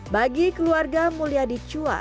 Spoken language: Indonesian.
bagi keluarga mulia di chua